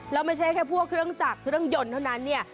แล้วไม่ใช่แค่พวกเครื่องจักรเครื่องยนต์เท่านั้นเนี่ย